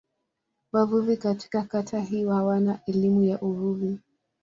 Wavuvi katika kata hii hawana elimu ya uvuvi.